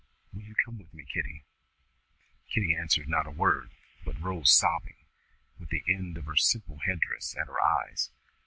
Will you come with me, Kitty?" Kitty answered not a word, but rose sobbing, with the end of her simple head dress at her eyes.